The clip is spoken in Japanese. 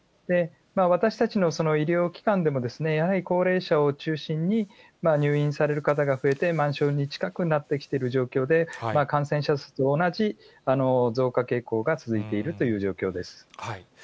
私たちの医療機関でも、やはり高齢者を中心に、入院される方が増えて、満床に近くなってきている状況で、感染者数と同じ増加傾向が続いているという状況です。